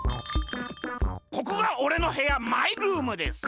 ここがおれのへやマイルームです。